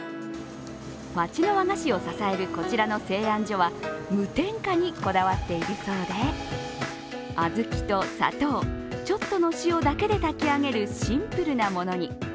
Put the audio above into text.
町の和菓子を支えるこちらの製あん所は無添加にこだわっているそうで小豆と砂糖、ちょっとの塩だけで炊き上げるシンプルなものに。